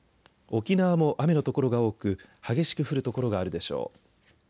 沖縄も雨の所が多く激しく降る所があるでしょう。